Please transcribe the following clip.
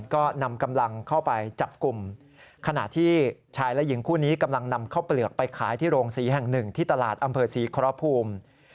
ก็นำกำลังเข้าไปจับกลุ่ม